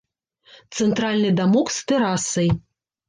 Цэнтральны дамок з тэрасай.